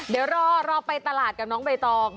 เดี๋ยวรอไปตลาดกับน้องใบตอง